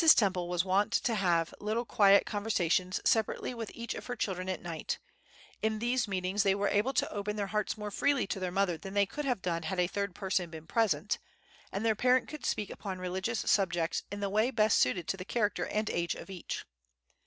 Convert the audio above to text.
Temple was wont to have little quiet conversations separately with each of her children at night: in these meetings they were able to open their hearts more freely to their mother than they could have done had a third person been present, and their parent could speak upon religious subjects in the way best suited to the character and age of each.